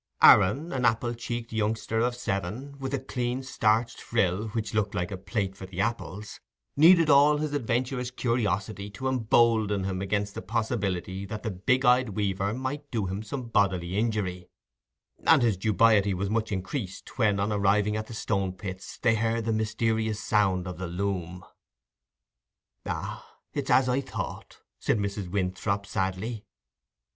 Aaron, an apple cheeked youngster of seven, with a clean starched frill which looked like a plate for the apples, needed all his adventurous curiosity to embolden him against the possibility that the big eyed weaver might do him some bodily injury; and his dubiety was much increased when, on arriving at the Stone pits, they heard the mysterious sound of the loom. "Ah, it is as I thought," said Mrs. Winthrop, sadly.